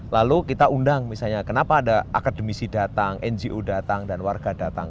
lalu kita undang misalnya kenapa ada akademisi datang ngo datang dan warga datang